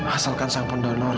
asalkan sang pendonor